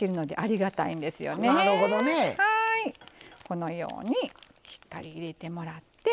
このようにしっかり入れてもらって。